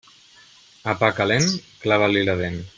A pa calent, clava-li la dent.